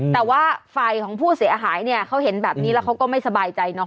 แต่ว่าฝ่ายของผู้เสียหายเนี่ยเขาเห็นแบบนี้แล้วเขาก็ไม่สบายใจเนาะ